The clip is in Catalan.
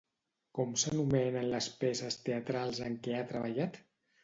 Com s'anomenen les peces teatrals en què ha treballat?